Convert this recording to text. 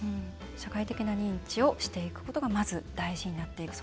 社会的な認知をしていくことがまず大事になっていく。